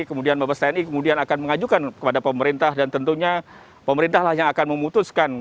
kemudian mabes tni kemudian akan mengajukan kepada pemerintah dan tentunya pemerintahlah yang akan memutuskan